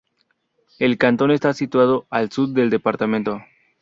El cantón está situado al sud del departamento.